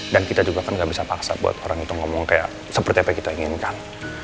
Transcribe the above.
dan kita juga kan gak bisa paksa buat orang itu ngomong kayak seperti apa yang kita inginkan